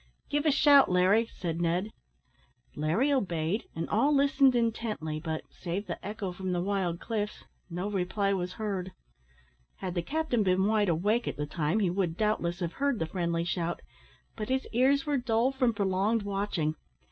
"Give a shout, Larry," said Ned. Larry obeyed, and all listened intently, but, save the echo from the wild cliffs, no reply was heard. Had the captain been wide awake at the time, he would, doubtless, have heard the friendly shout, but his ears were dull from prolonged watching.